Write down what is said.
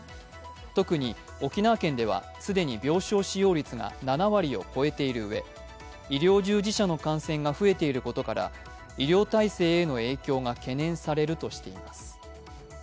特に沖縄県では既に病床使用率が７割を超えているうえ医療従事者の感染が増えていることから医療体制への影響が懸念されるとしています。